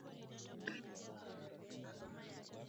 mnamo aprili meli ya titanic iliwekwa kwenye huduma